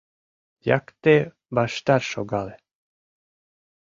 Якте ваштар шогале.